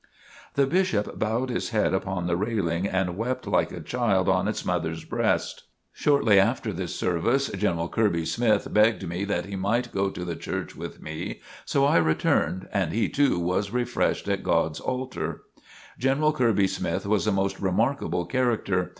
The Bishop bowed his head upon the railing and wept like a child on its mother's breast. Shortly after this service, General Kirby Smith begged me that he might go to the church with me, so I returned, and he too was refreshed at God's altar. General Kirby Smith was a most remarkable character.